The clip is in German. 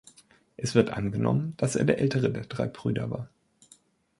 Es wird angenommen, dass er der Ältere der drei Brüder war.